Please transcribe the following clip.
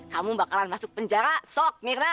kamu bakalan masuk penjara sok mirna